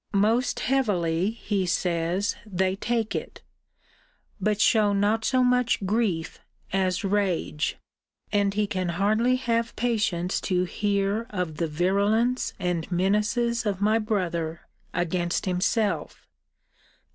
Most heavily, he says, they take it; but shew not so much grief as rage. And he can hardly have patience to hear of the virulence and menaces of my brother against himself.